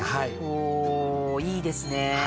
おおいいですね。